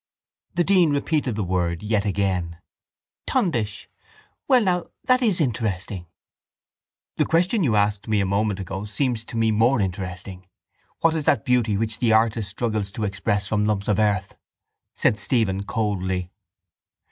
The dean repeated the word yet again. —Tundish! Well now, that is interesting! —The question you asked me a moment ago seems to me more interesting. What is that beauty which the artist struggles to express from lumps of earth, said Stephen coldly.